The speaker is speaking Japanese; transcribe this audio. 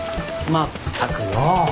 まったくよ